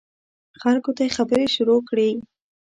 خلکو ته یې خبرې شروع کړې.